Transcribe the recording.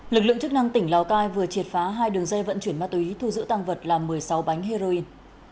lực lượng chức năng tỉnh lào cai vừa triệt phá hai đường dây vận chuyển ma túy thu giữ tăng vật là một mươi sáu bánh heroin